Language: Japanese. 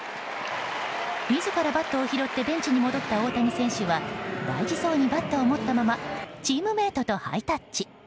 自らバットを拾ってベンチに戻った大谷選手は大事そうにバットを持ったままチームメートとハイタッチ。